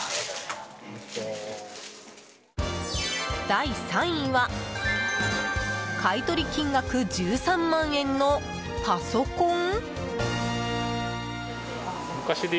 第３位は買い取り金額１３万円のパソコン？